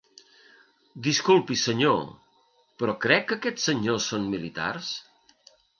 Disculpi, senyor, però crec que aquests senyors són militars?